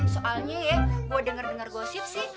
soalnya ya gue denger denger gosip sih